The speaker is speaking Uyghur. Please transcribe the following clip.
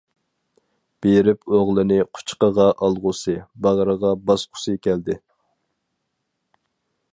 بېرىپ ئوغلىنى قۇچىقىغا ئالغۇسى، باغرىغا باسقۇسى كەلدى.